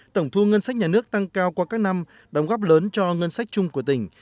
tổng thu ngân sách nhà nước tăng cao qua các năm đóng góp lớn cho ngân sách chung của tỉnh